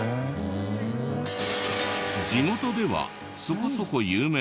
地元ではそこそこ有名だそうで。